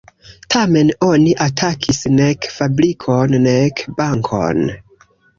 Tamen oni atakis nek fabrikon nek bankon.